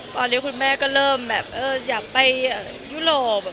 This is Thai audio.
ตอนนี้คุณแม่ก็เริ่มแบบอยากไปยุโรป